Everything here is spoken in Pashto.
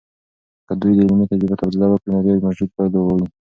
که دوی د علمي تجربو تبادله وکړي، نو ډیرې مفیدې پایلې به وي.